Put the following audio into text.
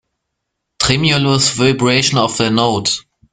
Tremulous vibration of a note.